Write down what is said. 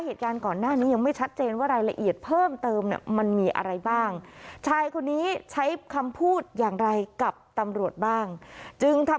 เหตุการณ์ก่อนหน้านี้ยังไม่ชัดเจน